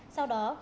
sau đó công bị